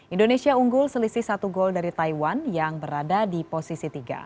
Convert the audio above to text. indonesia unggul selisih satu gol dari taiwan yang berada di posisi tiga